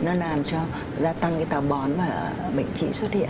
nó làm cho gia tăng tàu bón và bệnh trí xuất hiện